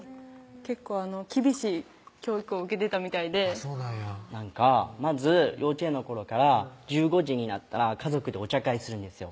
結構厳しい教育を受けてたみたいでなんかまず幼稚園の頃から１５時になったら家族でお茶会するんですよ